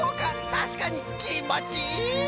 たしかにきんもちいい！